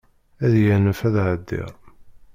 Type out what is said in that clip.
Ad iyi-yanef ad ɛeddiɣ.